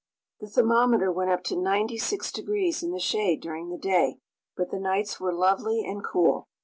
The thermometer went up to 96 degrees in the shade during the day, but the nights were lovely and cool.